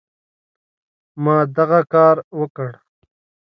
ما دغه کار وکړ.